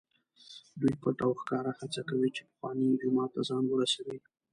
دوی پټ او ښکاره هڅه کوي چې پخواني جومات ته ځان ورسوي.